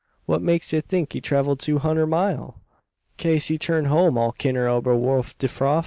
"What makes ye think he travelled two hunder mile?" "Kase he turn home all kibbered ober wif de froff.